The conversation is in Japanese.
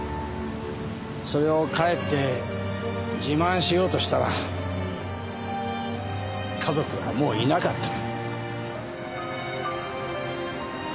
それを帰って自慢しようとしたら家族はもういなかった。